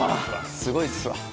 すごいっすわ。